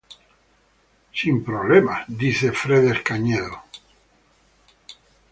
"No problema" dice Fredes Cañedo."